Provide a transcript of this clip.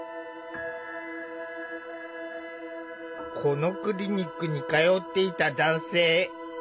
このクリニックに通っていた男性。